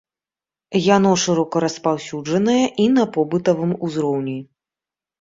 Яно шырока распаўсюджанае і на побытавым узроўні.